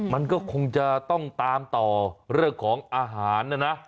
มันก็คงจะต้องตามต่อเรื่องของอาหารนะนะ